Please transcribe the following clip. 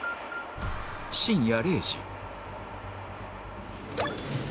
深夜０時